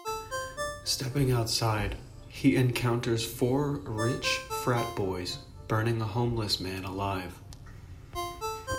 Stepping outside, he encounters four rich frat boys burning a homeless man alive.